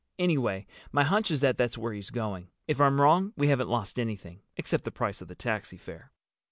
Anyway, my hunch is that that's where he's going. If I'm wrong we haven't lost anything, except the price of the taxi fare."